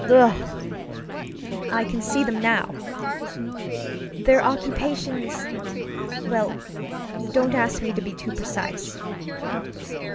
Ugh! I can see them now! Their occupationsŌĆöwell, don't ask me to be too precise.